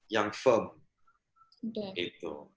paket kepemimpinan yang firm